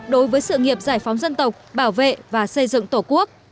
đối với sự nghiệp giải phóng dân tộc bảo vệ và xây dựng tổ quốc